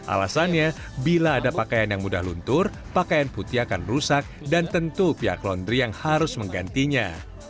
alasannya bila ada pakaian yang mudah luntur pakaian putih akan rusak dan tentu pihak laundry yang harus menggantinya